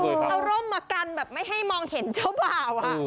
เอาร่มมากันแบบไม่ให้มองเห็นเจ้าบ่าว